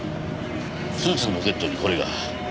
スーツのポケットにこれが。